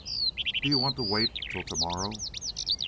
"Do you want to wait till tomorrow?"